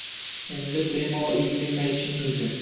— Endi bemalol uyingga qaytishing mumkin...